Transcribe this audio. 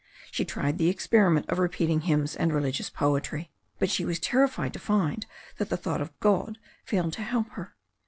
She tried the experiment of repeating hymns and re ligious poetry. But she was terrified to find that the thought of Qod failed to help her.